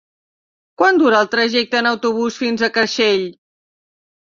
Quant dura el trajecte en autobús fins a Creixell?